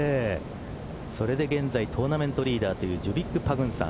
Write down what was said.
それで現在トーナメントリーダーというジュビック・パグンサン。